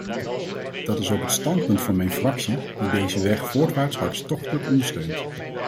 Dat is ook het standpunt van mijn fractie, die deze weg voorwaarts hartstochtelijk ondersteunt.